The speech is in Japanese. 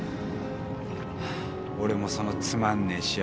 俺もそのつまんねえ試合